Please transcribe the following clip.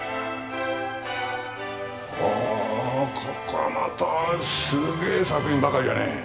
ほおここはまたすげえ作品ばかりやね。